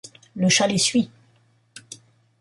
Le chat les suit.